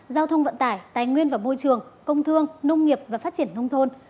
giao thông vận tải tài nguyên và môi trường công thương nông nghiệp và phát triển nông thôn